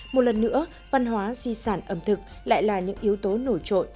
một lần nữa văn hóa di sản ẩm thực lại là những yếu tố nổi trội